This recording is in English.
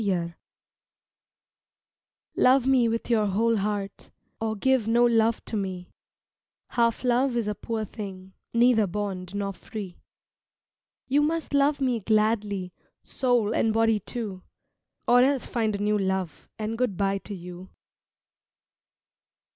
SONG Love me with your whole heart Or give no love to me, Half love is a poor thing, Neither bond nor free. You must love me gladly Soul and body too, Or else find a new love, And good by to you.